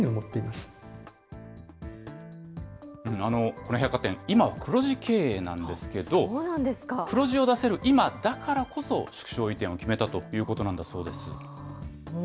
この百貨店、今は黒字経営なんですけど、黒字を出せる今だからこそ、縮小移転を決めたということなんだそうです。